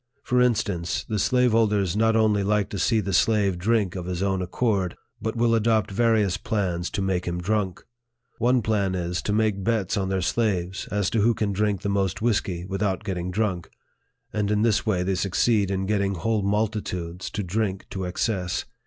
For instance, the slaveholders not only like to see the slave drink of his own accord, but will adopt various plans to make him drunk. One plan is, to make bets on their slaves, as to who can drink the most whisky without getting drunk ; and in this way they succeed in getting whole multitudes to drink to excess.